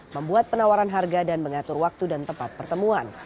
membuat penawaran harga dan mengatur waktu dan tempat pertemuan